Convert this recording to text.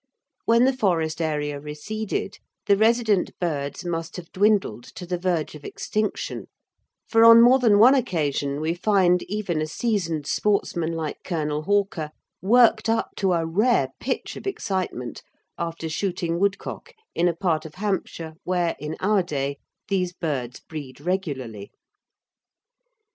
When the forest area receded, the resident birds must have dwindled to the verge of extinction, for on more than one occasion we find even a seasoned sportsman like Colonel Hawker worked up to a rare pitch of excitement after shooting woodcock in a part of Hampshire where in our day these birds breed regularly.